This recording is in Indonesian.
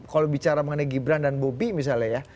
kalau bicara mengenai gibran dan bobi misalnya ya